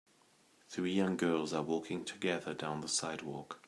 Three young girls are walking together down the sidewalk.